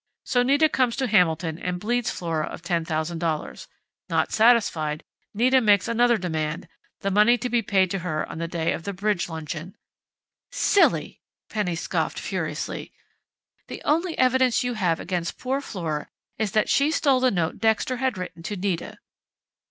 So Nita comes to Hamilton and bleeds Flora of $10,000. Not satisfied, Nita makes another demand, the money to be paid to her the day of the bridge luncheon " "Silly!" Penny scoffed furiously. "The only evidence you have against poor Flora is that she stole the note Dexter had written to Nita!"